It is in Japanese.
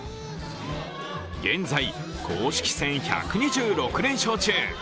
現在、公式戦１２６連勝中。